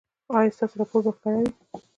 ایا ستاسو راپور به کره وي؟